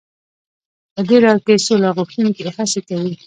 په دې لاره کې سوله غوښتونکي هڅې کوي.